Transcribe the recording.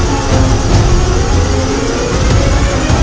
dan kita akan